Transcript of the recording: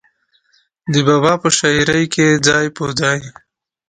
د بابا پۀ شاعرۍ کښې ځای پۀ ځای